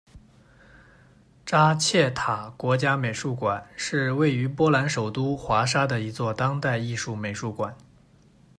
扎切塔国家美术馆是位于波兰首都华沙的一座当代艺术美术馆。